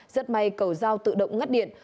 rất may cầu giao tự động ngắt điện